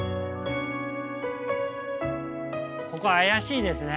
ここ怪しいですね。